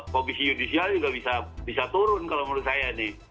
komisi yudisial juga bisa turun kalau menurut saya nih